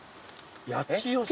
八千代市。